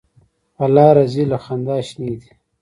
په لاره ځي له خندا شینې دي.